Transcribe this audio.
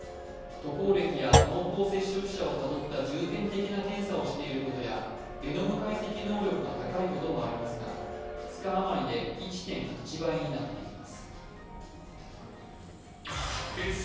渡航歴や農耕接触者をたどった重点的な検査をしていることやゲノム解析能力が高いこともあり、２日余りで１．８倍になっています。